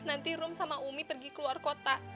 nanti rum sama umi pergi keluar kota